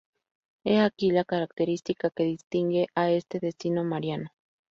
He aquí la característica que distingue a este destino mariano.